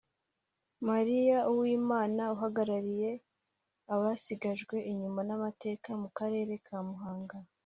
Marie Uwimana uhagarariye Abasigajwe inyuma n’amateka mu karere ka Muhanga